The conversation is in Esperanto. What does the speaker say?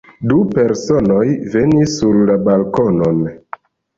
Du personoj venis sur la balkonon.